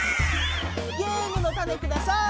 ゲームのタネください！